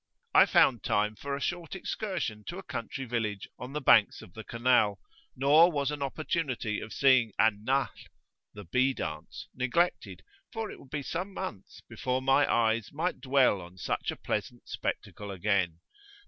I found time for a short excursion to a country village on the banks of the canal; nor was an opportunity of seeing "Al nahl," the "Bee dance;" neglected, for it would be some months before my eyes might dwell on such a pleasant spectacle again.